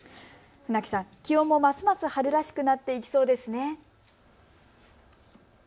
船木さん、気温もますます春らしくなってきそうですね。